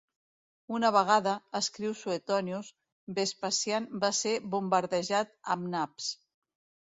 Una vegada, escriu Suetonius, Vespasian va ser bombardejat amb naps.